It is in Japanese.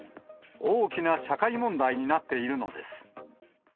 大きな社会問題になっているのです。